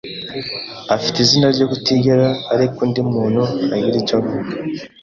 afite izina ryo kutigera areka undi muntu agira icyo avuga.